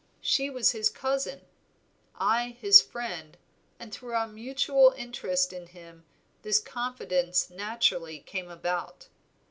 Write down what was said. She was his cousin, I his friend, and through our mutual interest in him this confidence naturally came about.